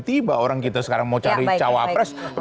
tiba orang kita sekarang mau cari cawapres